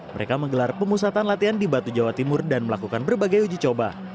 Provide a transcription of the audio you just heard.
mereka menggelar pemusatan latihan di batu jawa timur dan melakukan berbagai uji coba